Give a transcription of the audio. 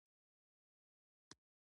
تواب په بېره وویل.